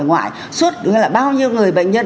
ngoài suốt bao nhiêu người bệnh nhân